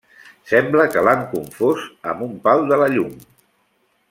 Sembla que l'han confós amb un pal de la llum.